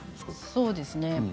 そうですね。